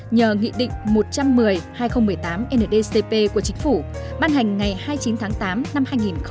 nhờ nghị định một trăm một mươi hai nghìn một mươi tám ndcp của chính phủ ban hành ngày hai mươi chín tháng tám năm hai nghìn một mươi chín